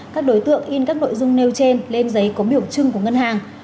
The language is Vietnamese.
các đối tượng in các nội dung nêu trên lên giấy có biểu trưng của ngân hàng